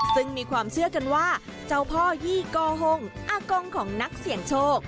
ซึ่งมีความเชื่อกันว่าเจ้าพ่อยี่กอฮงอากงของนักเสี่ยงโชค